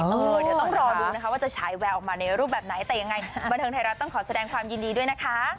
เดี๋ยวต้องรอดูนะคะว่าจะฉายแววออกมาในรูปแบบไหนแต่ยังไงบันเทิงไทยรัฐต้องขอแสดงความยินดีด้วยนะคะ